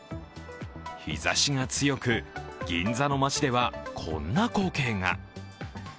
日ざしが強く、銀座の街ではこんな光景が。